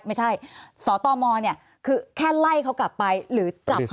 ไม่ใช่หรือศตมเนี่ยแค่เลยเขากลับไปหรือจับเข้าไว้